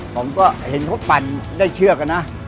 ผมก็เห็นเขาปั่นได้เชือกอะนะ